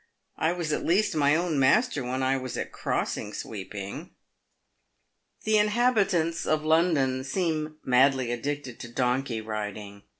I was at least my own master when I was at crossing sweeping." The inhabitants of London seem madly addicted to donkey riding.